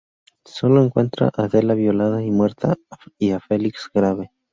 Sólo encuentra a Della violada y muerta y a Felix grave.